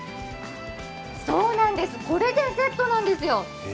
そうなんです、これでセットなんですよ。